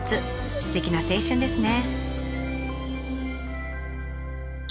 すてきな青春ですね。